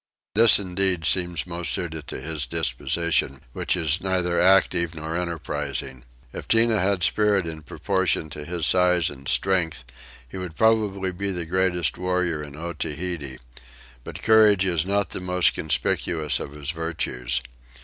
This indeed seems most suited to his disposition, which is neither active nor enterprising. If Tinah had spirit in proportion to his size and strength he would probably be the greatest warrior in Otaheite: but courage is not the most conspicuous of his virtues.